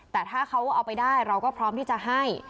แต่ถ้าเขาเอาไปได้เราก็พร้อมที่จะให้